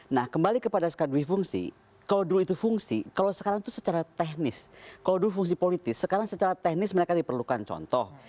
nah kembali kepada skdwi fungsi kalau dulu itu fungsi kalau sekarang itu secara teknis kalau dulu fungsi politis sekarang secara teknis mereka diperlukan contoh